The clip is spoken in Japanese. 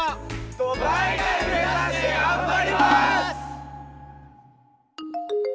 都大会目指して頑張ります！